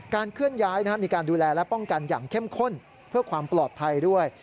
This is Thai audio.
เคลื่อนย้ายมีการดูแลและป้องกันอย่างเข้มข้นเพื่อความปลอดภัยด้วย